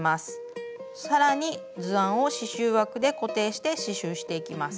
更に図案を刺しゅう枠で固定して刺しゅうしていきます。